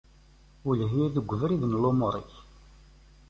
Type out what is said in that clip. Welleh-iyi deg ubrid n lumuṛ-ik.